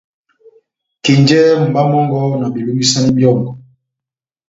Kenjɛhɛ mumba mɔngɔ, na belongisani byɔ́ngɔ,